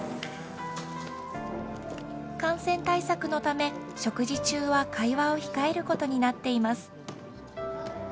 感染対策のため食事中は会話を控えることになっています。